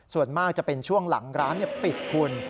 ส่วนมากจะเป็นช่วงหลังร้านปิดคุณ